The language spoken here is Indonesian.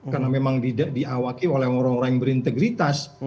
karena memang diawaki oleh orang orang yang berintegritas